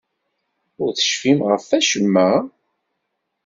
Ur tecfimt ɣef wacemma?